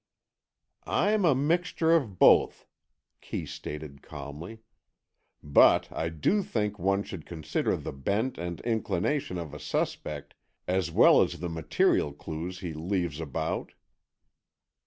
"I'm a mixture of both," Kee stated calmly. "But I do think one should consider the bent and inclination of a suspect as well as the material clues he leaves about."